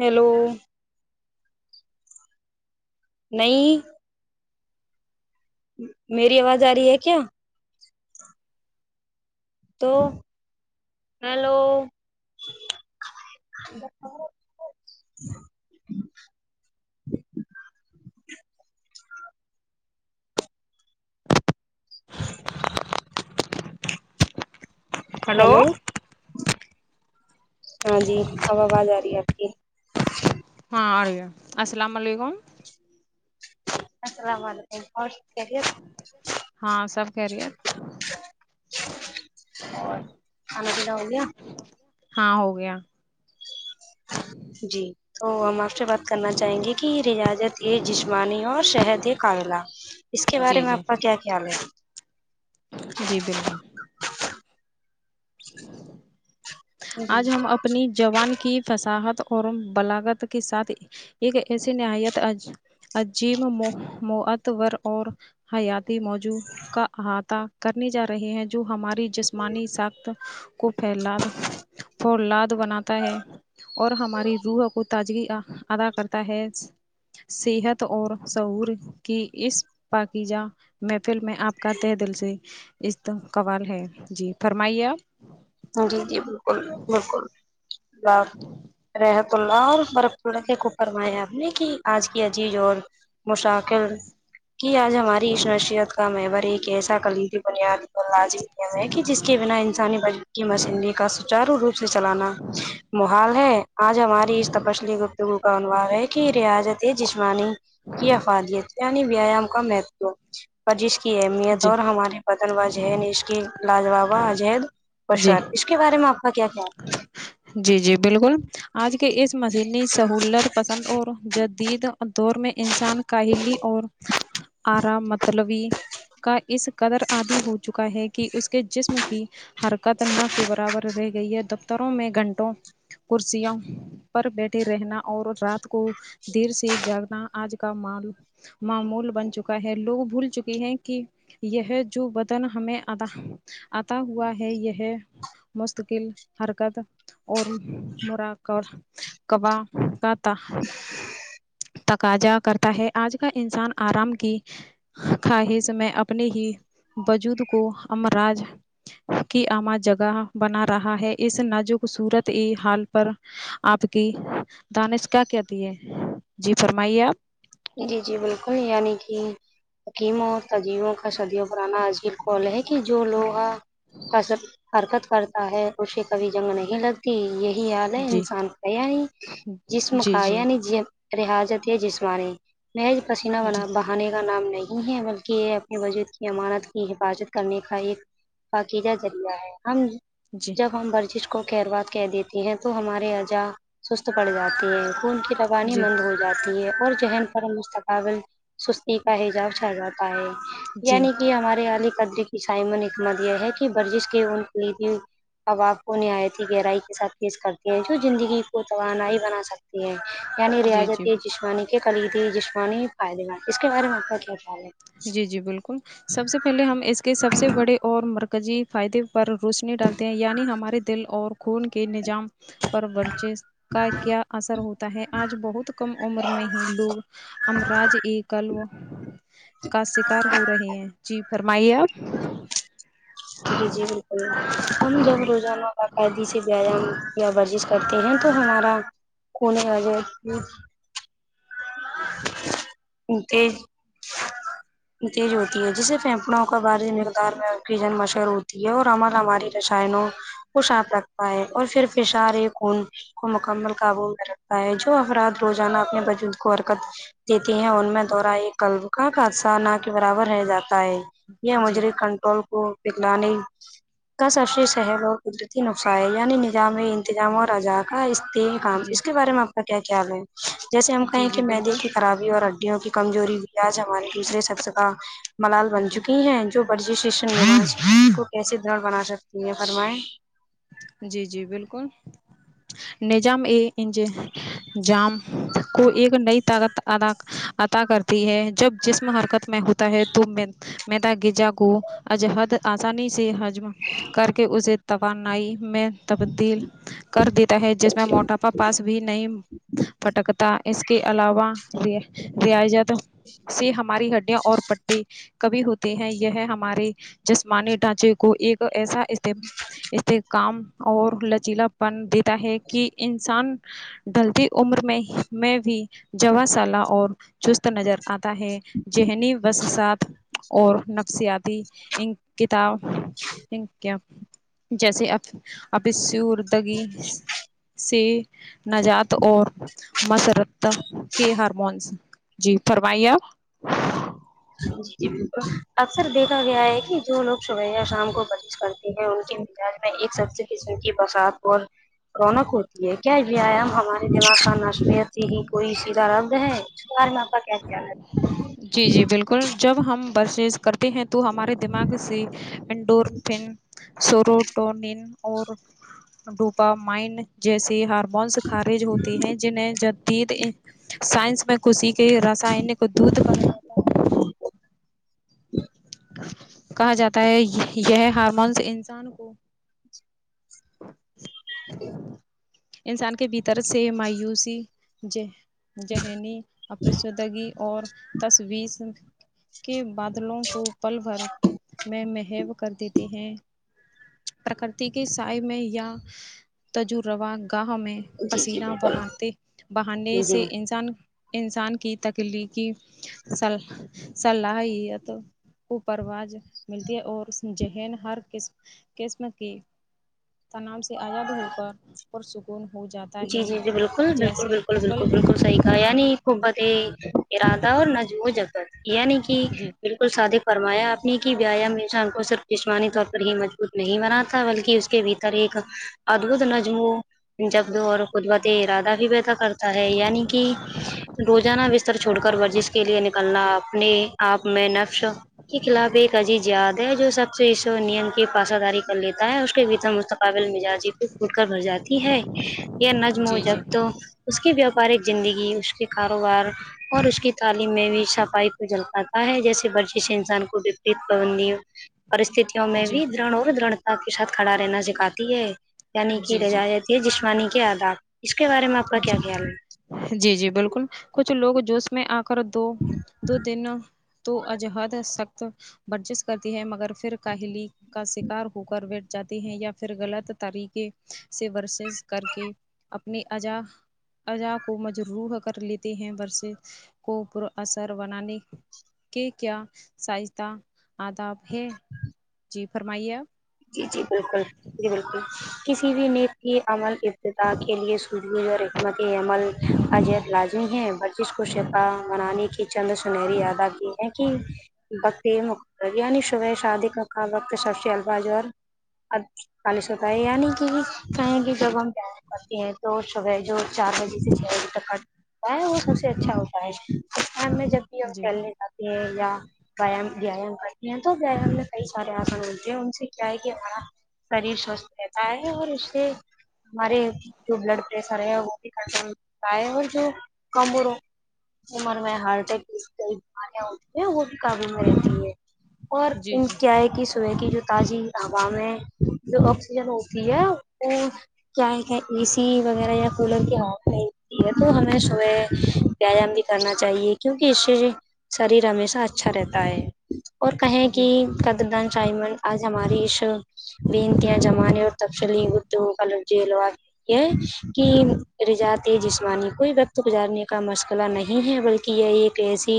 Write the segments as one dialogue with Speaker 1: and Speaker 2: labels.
Speaker 1: hello نہیں میری آواز آ رہی ہے کیا تو ہیلو دس [unintelligible]
Speaker 2: ہلو
Speaker 1: ہیلو ہاں جی اب آواز آ رہی ہے آپ کی
Speaker 2: ہاں آرہی ہے السلام علیکم
Speaker 1: السلام علیکم اور سب خیریت
Speaker 2: ہاں سب خیریت
Speaker 1: کھانا پینا ہو گیا
Speaker 2: ہاں ہو گیا
Speaker 1: جی تو ہم آپ سے بات کرنا چاہیں گے کہ ریاضت یہ جسمانی اور شہد یہ قابلہ اس کے بارے
Speaker 2: جی
Speaker 1: میں
Speaker 2: جی
Speaker 1: آپ کا کیا خیال ہے
Speaker 2: جی بالکل آج ہم اپنی جوان کی فساحت اور بلاگت کے ساتھ ایک ایسی نہایت عجیب م متور اور حیاتی موضوع کا احاطہ کرنے جا رہے ہیں جو ہمارے جسمانی سخت کو پھیلا فلاد بناتا ہے اور ہماری روح کو تازگی ادا کرتا ہے صحت اور سعور کی اس پاکیجا محفل میں آپ کا تہ دل سے استقوال ہے جی فرمائیے آپ
Speaker 1: جی جی بالکل بالکل رحت اللہ اور برف اللہ کو فرمایا آپ نے کہ آج کی عجیز اور مشقل کی آج ہماری اس نشیت کا میبور ایک ایسا کلیدی بنیاد ل ہے کہ جس کے بنا انسانی بی مشین کا چارو روپ سے چلانا موحال ہے آج ہماری اس تپسلی گفتگو نوار ہے کہ ریاضتیں جسمانی کی افادیت یعنی ویایام کا مہتو پر جس کی اہمیت
Speaker 2: جی
Speaker 1: اور ہمارے پتن وجین اس کی لاجوابا اجہید
Speaker 2: جی
Speaker 1: اس کے بارے میں آپ کا کیا خیال ہے
Speaker 2: جی جی بالکل آج کے اس مشینی سہولت پسند اور جدید دور میں انسان کاہلی اور آرم متلوی کا اس قدر آدی ہو چکا ہے کہ اس کے جسم کی حرکت نہ کے برابر رہ گئی ہے دفتروں میں گھنٹوں کرسیوں پر بیٹھے رہنا اور رات کو دیر سے جاگنا آج کا مال معمول بن چکا ہے لوگ بھول چکے ہیں کہ یہ جو بدن ہمیں آتا ہوا ہے یہ مستقل حرکت اور مرا کب کا تھا تقاجا کرتا ہے آج کا انسان آرام کی خواہش میں اپنے ہی وجود کو امراج کی امہ جگہ بنا رہا ہے اس نازک صورتحال آپ کی دانش کیا کہتی ہے جی فرمائیے آپ
Speaker 1: جی جی بالکل یعنی کی حکیموں اور تجیموں کا صدیوں پرانا آج کل خول ہے کہ جو لوگ کا سب حرکت کرتا ہے اسے کبھی جنگ نہیں لگتی ت یہی یاد ہے
Speaker 2: جی
Speaker 1: انسان کا نہیں جسم
Speaker 2: جی
Speaker 1: کا
Speaker 2: جی
Speaker 1: آیا رحظت ہی جسم نے محج پسین
Speaker 2: جی
Speaker 1: بنا باہا ے کا نام نہیں ہے بلکہ یہ اپنے بجٹ کی امانت کی حفاظت کرنے کا ایک پاکیزا ذریعہ ہے ہم
Speaker 2: جی
Speaker 1: جب ہم ورزش کو کروات کہ دیتی ہیں تو ہماری اجا سست پڑ جاتی ہے خون کی ط قوانی
Speaker 2: جی
Speaker 1: مند ہو جاتی ہے اور ذہن مستقبل سستی کا حجاب چھا جاتا ہے
Speaker 2: جی
Speaker 1: یعنی کہ ہمارے علی قدر عسائی میں اتنا دیا ہے کہ ورجش کے ان قلیوں بھی اواب کو نہایت گہرائی کے ساتھ تیز کرتے ہیں جو زندگی کو توانائی بنا سکتے ہیں یعنی
Speaker 2: جی جی
Speaker 1: ریاضت جسمانی کے کلید جسمانی فائدے مند اس کے بارے میں آپ کو چچا لیں
Speaker 2: جی جی بالکل سب سے پہلے ہم کے سب سے بڑے اور مرکزی فائدے پر روشنی ڈالتے ہیں یعنی ہمارے دل اور خون کے نظام پر ورذیش کا کیا اثر ہوتا ہے آج بہت کم عمر میں ہی لوگ ہم راز اک کل وہ کا سکار ہو رہے ہیں جی فرمائیے آپ
Speaker 1: جی جی بالکل ہم جب روزانہ باقاعدی سے گے ہم ورزش کرتے ہیں تو ہمارا کونے ویر تیز تیز ہوتی ہے جس سے پھیپڑوں کا بارض مقدار میں کی جن مشور ہوتی ہے اور عمل ہماری رسائنوں وہ صاف رکھتا ہے اور پھر پشارے خون کو مکمل قابو میں رکھتا ہے جو افراد روزانہ اپنے بجد کو دیتی ہے ان میں درا یہ کلب کا خادثہ نہ کے برابر رہ جاتا ہے یہ
Speaker 2: جی
Speaker 1: مجرے کنٹرول کو پگلانے کا سبششہل اور قدرتی [unintelligible] نقصائ یعنی نظامی انتظام اور عزاد اس [unintelligible] کام
Speaker 2: جی
Speaker 1: اس کے بارے میں آپ کا کیا خیال ہے جیسے ہم
Speaker 2: جی
Speaker 1: کہیں کہ
Speaker 2: جی
Speaker 1: معدے
Speaker 2: بالکل
Speaker 1: کی خرابی اور ہڈیوں کی کمزوری بھی آج ہمارے دوسرے شخص کا ملال بن
Speaker 2: جی
Speaker 1: چکی ہیں جو شن کو کیسے دڑ بنا سکتی ہیں فرمائیں
Speaker 2: جی جی بالکل نجام اے انج جام کو ایک نئی طاقت ادا عطا کرتی ہے جب جسم حرکت میں ہوتا ہے تو میدا گجا کو عجہد آسانی سے حجم کر کے اسے توانائی میں تبدیل کر دیتا ہے جس میں موٹاپا پاس بھی نہیں پٹکتا اس کے علاوہ ریاضت سے ہماری ہڈیاں اور پٹیے کبھی ہوتے ہیں یہ ہمارے جسمانی ڈھانچے کو ایک ایسااستے استحکام اور لچیلا پن دیتا ہے کہ انسان ڈھلتی عمر میں میں بھی جباں سالا اور چست نظر آتا ہے ذہنی وسوسات اور نفسیاتی ان کتاب [unintelligible] انکے اب جیسے اب [unintelligible] نجات اور مسرت کے ہارمونس جی فرمائیے آپ
Speaker 1: جی جی بالکل اکثر دیکھا گیا ہے کہ جو لوگ صبح یا شام کو بزش کرتے مزاج میں ایک سب سے قسم کی برسات اور رونق ہوتی ہے کیا ویایام ہمارے دماغ کا نصبت ہی کوئی سیدھا رد ہے [unintelligible]
Speaker 2: جی جی بالکل جب ہم بسز کرتے ہیں تو ہمارے دماغ سے انڈور سوروٹونین اور ڈوپامائن جیسی ہارم مونس خارج ہوتے ہیں جنہیں جدید سائنس میں کسیی کے رسانک دت کہا جاتا ہے کہا جاتا ہے یہ ہارمونس انسان کو انسان کے بھیتر سے مایوسی جے ذہنی اپشدگی اور تصویس کے بادلوں کو پل بھر میں محب کر دیتے ہیں پرکرتی کے سائے میں یا تجربہ گاہ میں
Speaker 1: جی جی
Speaker 2: پسینہ بہاتے بہانے
Speaker 1: بالکل
Speaker 2: سے
Speaker 1: جی
Speaker 2: انسان انسان کی تکلیقی صلاح ہی ہے تو کو پروج ملتی ہے اور اسکی ذہن ہر قس قسم کی تناام سے آزاد ہو کر پرسکون ہو جاتا
Speaker 1: جی
Speaker 2: ہے
Speaker 1: جی جی بالکل بالکل
Speaker 2: جیسے
Speaker 1: بالکل
Speaker 2: قبل
Speaker 1: بالکل بالکل صحیح یعنی قبت ارادہ اور نہ جم جگت یعنی کہ
Speaker 2: جی
Speaker 1: ب سادے فرمایا آپ نے کہ ویایام انشان کو صرف جسمانی طور پر ہی مجبوط نہیں بنا تھا بلکہ اس کے کے بھیتر ایک ادھت نظم ہو جب اور قدرت ارادہ بھی پیدا کرتا ہے یعنی کہ روزانہ بستر چھوڑ کر ورزش کا کے لیے نکلنا اپنے آپ میں نقش کے خلاف ایک عجیز یاد ہے جو سب سے اس نیم کی پاسداری کر لیتا ہے اس کے بھیتر مقب قابل مزاجی کو پھٹ کر بھر جاتی ہے یہ نجم و
Speaker 2: جی
Speaker 1: جب
Speaker 2: جی
Speaker 1: تو اس کی بییاوپارک زندگی اس کے کاروبار اور اس کی تعلیم میں بھی صفائی کو جل پاتا ہے جیسے برچش انسان کوپریت پابندی پرستتی میں
Speaker 2: جی
Speaker 1: بھی دڑ اور دھتا کے ساتھ کھڑا رہنا سکھاتی ہے یعنی کہ
Speaker 2: جی جی
Speaker 1: رجایت یہ جسمانی کے آداب اس کے بارے میں آپ کا کیا خیال ہے
Speaker 2: جی جی بالکل کچھ لوگ جو میں آ کر دو دو دن تو اجحد سخت برجسٹ کرتی ہے مگر پھر کاہلی کا شکار ہو کر بیٹھ جاتے ہیں یا پھر غلط طریقے سے ورسز کر کے اپنی اجا اجا کو مجروح کر لیتے ہیں بورسے کو پرا اثر بنانے کے کیا سہتا آداب ہے جی فرمائیے آپ
Speaker 1: جی جی بالکل جی بالکل کسی بھی نیت کی عمل ابتتا کے لیے سجج اور مت عمل کاجیت لازمی ہے ورزش کو شپا منانے کی چند سنہری ادا کی کہ بک یعنی صبح شادی کا کا وقت سب سے الفا جو اور چالیس ہوتا ہے یعنی کہ کہیں کہ جب ہم ڈانس کرتے ہیں تو صبح جو چار بجے سے چھ تٹکٹ ہوتا ہے وہ سب سے اچھا ہوتا ہے اس کان میں جب
Speaker 2: آپ جی
Speaker 1: [unintelligible] یام ویایام کرتی ہیں تو ویایام میں کئی سارے آسن ہوتے ہیں ان سے کیا ہے کہ ہمارا شریر سوستھ رہتا ہے اور اس سے ہمارے جو بلڈ پریشر ہے وہ بھی کٹر پائے اور جو کم ہو عمر میں ہارٹ اٹیک کئی بیماریاں ہوتی ہیں وہ بھی قابو میں رہتی ہے اور
Speaker 2: جی
Speaker 1: ان
Speaker 2: جی
Speaker 1: کیا کی صبحے گی جو تاجی ہوا میں جو آکسیجن ہوتی ہے وہ کیا ہے کیا اے سی وغیرہ یا کولر کے ہوا ہے تو ہمیں صبح ویایام بھی کرنا چاہیے کیونکہ اس سے شریر ہمیشہ اچھا رہتا ہے اور کہیں کہ
Speaker 2: جی
Speaker 1: قدردن چائمن [unintelligible] یہ کہ رجات جسمانی کوئی وقت گزارنے کا مسئلہ نہیں ہے بلکہ یہ ایک ایسی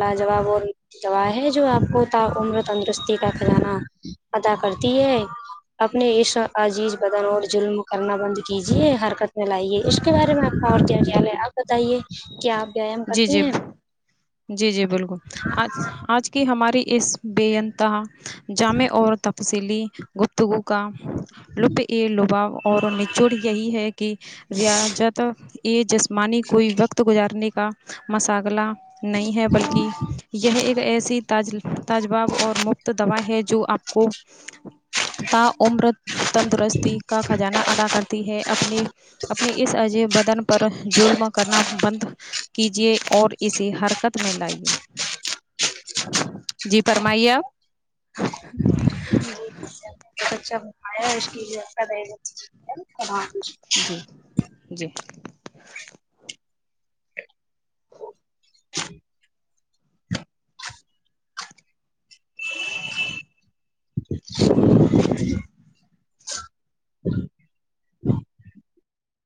Speaker 1: لاجواب اور دوا ہے جو آپ کو تا عمر تندرستی کا کھزانہ ادا کرتی ہے اپنے اس عجیز بدن اور ظلم کرنا بند کیجیے حرکت میں لائیے اس اس کے بارے میں آپ کا کیا خیال ہے اپ بتائیے بتائیے کیا آپ ویایام
Speaker 2: جی
Speaker 1: کرتی
Speaker 2: جی
Speaker 1: ہیں
Speaker 2: کہ ہماری اس بے انتہا جامع اور تفصیلی گفتگو کا لپ یہ لبا اور نچوڑ یہی ہے کہ ریاضت یہ جسمانی کوئی وقت گزارنے کا مساگلا نہیں ہے بلکہ یہ ایک ایسی تاجباب اور مفت دوا ہے جو آپ کو تا عمر تندرستی کا خزانہ ادا کرتی ہے اپنی اپنی اس عجے بدن پر جلم کرنا بند کیجیے اور اسے حرکت میں لائیے جی فرمائیے آپ
Speaker 1: جی [inaudible]
Speaker 2: جی جی